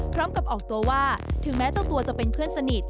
พร้อมกับออกตัวว่าถึงแม้เจ้าตัวจะเป็นเพื่อนสนิท